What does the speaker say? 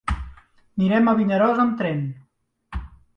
Anirem a Vinaròs amb tren.